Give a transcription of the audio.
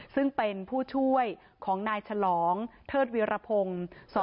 ซึ่งเป็นผู้ช่วยของนายฉลองเทิดวิรพงศ์